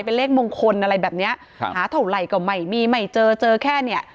เป็นเลขมงคลอะไรแบบเนี้ยครับหาเท่าไหร่ก็ไม่มีไม่เจอเจอแค่เนี้ย